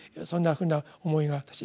そんなふうな思いが私